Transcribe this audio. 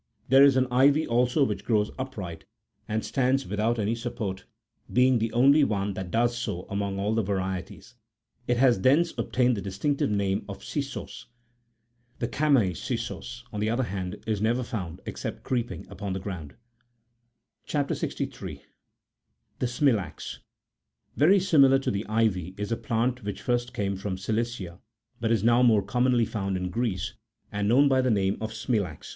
There is an ivy also which grows upright,16 and stands without any support; being the only one that does so among all the varieties, it has thence ob tained the distinctive name of " cissos." The ehamaecissos,17 on the other hand, is never found except creeping upon the ground. CHAP. 63. (35.) THE SMIL AX. Very similar to the ivy is a plant which first came from Cilicia, but is now more commonly found in Greece, and known by the name of smilax.